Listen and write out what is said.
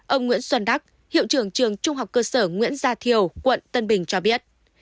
ông nguyễn xuân đắc hiệu trưởng trường trung học cơ sở nguyễn gia thiều quận tân bình cho biết